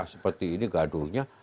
seperti ini gaduhnya